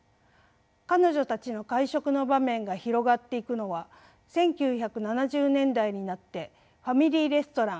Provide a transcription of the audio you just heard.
彼女たちの会食の場面が広がっていくのは１９７０年代になってファミリーレストラン